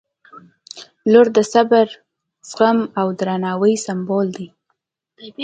• لور د صبر، زغم او درناوي سمبول دی.